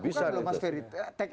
itu sudah dilakukan loh mas ferry